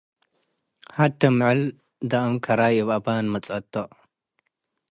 ሐቴ ምዕል ደአም ከራይ እብ አማን መጸአቶ።